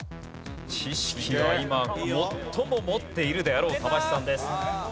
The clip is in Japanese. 知識は今最も持っているであろうＴＡＷＡＳＨＩさんです。